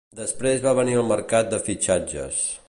Després va venir el mercat de fitxatges.